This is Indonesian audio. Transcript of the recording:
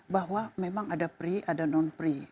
bahwa memang ada pri ada non pri